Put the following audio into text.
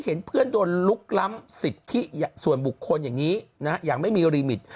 เห็นเพื่อนโดนลุกล้ำสิทธิส่วนบุคคลอย่างนี้อย่างไม่มีรีมิต